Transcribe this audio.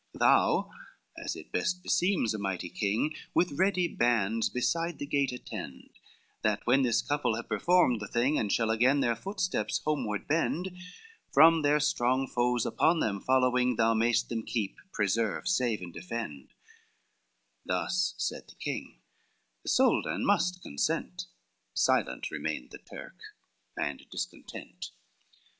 XVI "Thou, as it best beseems a mighty king, With ready bands besides the gate attend, That when this couple have performed the thing, And shall again their footsteps homeward bend, From their strong foes upon them following Thou may'st them keep, preserve, save and defend:" Thus said the king, "The Soldan must consent," Silent remained the Turk, and discontent.